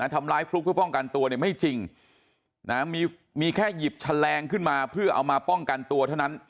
ทำร้ายฟลุ๊กเพื่อป้องกันตัวเนี่ยไม่จริงมีแค่หยิบแฉลงขึ้นมาเพื่อเอามาป้องกันตัวเท่านั้น